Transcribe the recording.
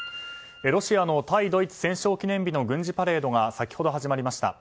ロシアの対ドイツ戦勝記念日の軍事パレードが先ほど始まりました。